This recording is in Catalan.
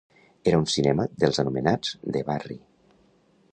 Era un cinema dels anomenats 'de barri'.